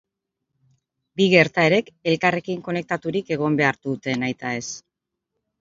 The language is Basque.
Bi gertaerek elkarrekin konektaturik egon behar dute nahitaez.